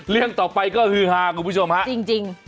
เรื่องต่อไปก็คือฮาคุณผู้ชมฮะจริง